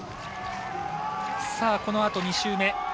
このあと、２周目。